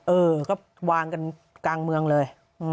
เออก็วางกันกลางเมืองเลย